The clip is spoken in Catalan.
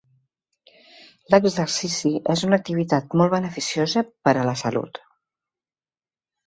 L'exercici és una activitat molt beneficiosa per a la salut.